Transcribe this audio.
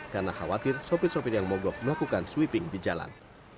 karena khawatir sopir sopir yang mogok melakukan sweeping di jalan